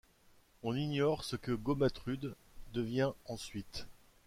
On ignore ce que Gomatrude devient ensuite.